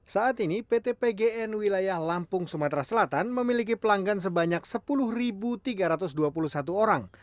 saat ini pt pgn wilayah lampung sumatera selatan memiliki pelanggan sebanyak sepuluh tiga ratus dua puluh satu orang